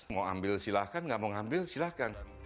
mau ambil silahkan nggak mau ambil silahkan